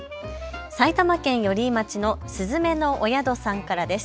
埼玉県寄居町のスズメのお宿さんからです。